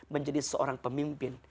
menjadi seorang pemimpin